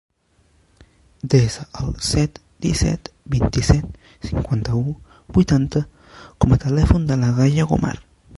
Desa el set, disset, vint-i-set, cinquanta-u, vuitanta com a telèfon de la Gaia Gomar.